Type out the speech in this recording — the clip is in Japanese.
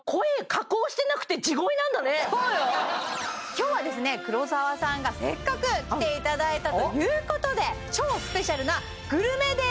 今日はですね黒沢さんがせっかく来ていただいたということでしたいと思います